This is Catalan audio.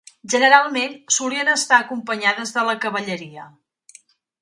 Generalment, solien estar acompanyades de la cavalleria.